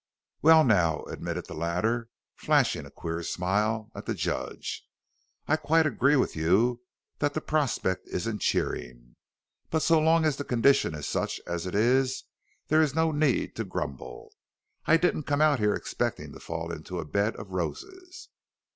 "Well, now," admitted the latter, flashing a queer smile at the judge, "I quite agree with you that the prospect isn't cheering. But so long as the condition is such as it is there is no need to grumble. I didn't come out here expecting to fall into a bed of roses."